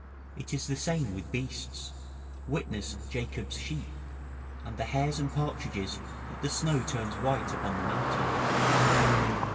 It is the same with beasts; witness Jacob's sheep, and the hares and partridges that the snow turns white upon the mountains.